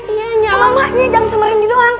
sama maknya jangan sama rendy doang